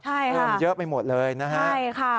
เพราะมันเยอะไปหมดเลยนะฮะ